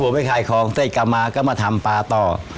ก็ผมไปขายของเส้นกำมาก็มาทำปลาต่อ